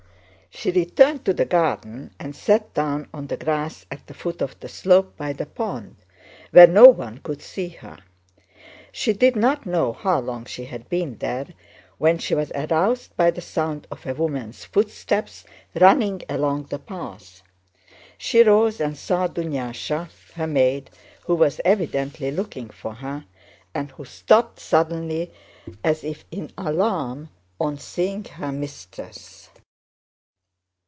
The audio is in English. She returned to the garden and sat down on the grass at the foot of the slope by the pond, where no one could see her. She did not know how long she had been there when she was aroused by the sound of a woman's footsteps running along the path. She rose and saw Dunyásha her maid, who was evidently looking for her, and who stopped suddenly as if in alarm on seeing her mistress.